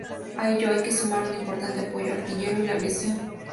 A ello hay que sumar un importante apoyo artillero y de aviación.